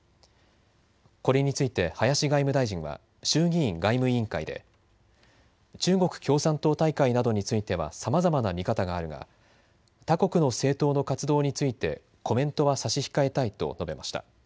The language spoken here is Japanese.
これについて林外務大臣は衆議院外務委員会で中国共産党大会などについてはさまざまな見方があるが他国の政党の活動についてコメントは差し控えたいと述べました。